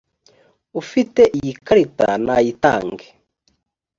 ufite iyi karita nayitange.